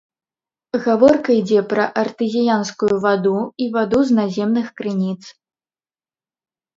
Гаворка ідзе пра артэзіянскую ваду і ваду з наземных крыніц.